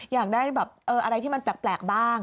อยากได้แบบอะไรที่มันแปลกบ้าง